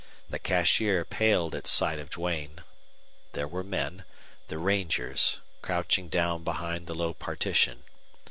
The cashier paled at sight of Duane. There were men the rangers crouching down behind the low partition.